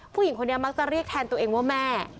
ผู้หญิงคนนี้มักจะเรียกแทนตัวเองว่าแม่